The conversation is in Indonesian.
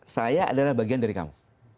saya adalah bagian dari kamu